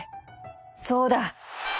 そうだ！